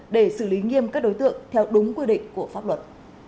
để xử lý nghiêm các đối tượng theo đúng quy định của pháp luật